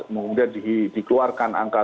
kemudian dikeluarkan angka